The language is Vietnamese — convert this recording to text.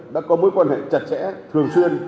đã có mối quan hệ chặt chẽ thường xuyên